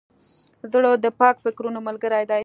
زړه د پاک فکرونو ملګری دی.